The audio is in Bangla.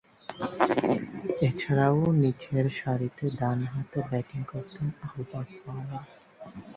এছাড়াও, নিচেরসারিতে ডানহাতে ব্যাটিং করতেন আলবার্ট পাওয়েল।